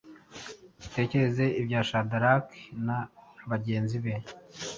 Dutekereze ibya Shadaraki na bagenzi be